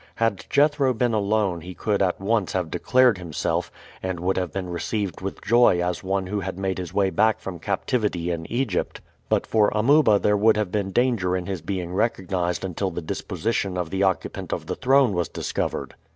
Had Jethro been alone he could at once have declared himself, and would have been received with joy as one who had made his way back from captivity in Egypt; but for Amuba there would have been danger in his being recognized until the disposition of the occupant of the throne was discovered.